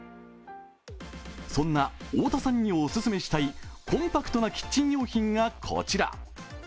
そんな太田さんにお勧めしたいコンパクトなキッチン用品がこちら。